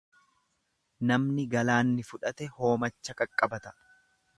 Namni galaanni fudhate hoomacha qaqqabata.